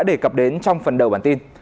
đề cập đến trong phần đầu bản tin